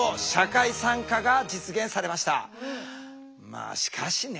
まあしかしね